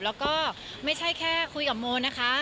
แล้วก็ไม่ใช่แค่คุยกับโมนะคะ